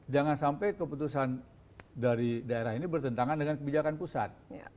jangan sampai keputusan dari daerah ini bertentangan dengan kebijakan pusat